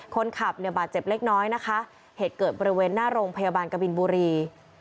คนขับเนี่ยบาดเจ็บเล็กน้อยนะคะเหตุเกิดบริเวณหน้าโรงพยาบาลกบินบุรี